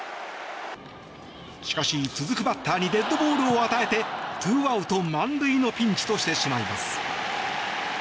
しかし続くバッターにデッドボールを与えて２アウト満塁のピンチとしてしまいます。